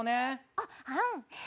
あっうん。